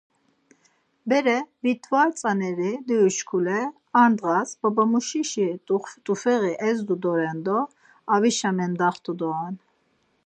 Bere vit̆var tzaneri divuşkule ar ndğas babamuşiş t̆ufeği ezdu doren do avişa mendaxtu doren.